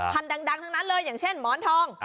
ดังทั้งนั้นเลยอย่างเช่นหมอนทอง